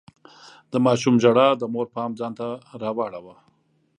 د ماشوم ژړا د مور پام ځان ته راواړاوه.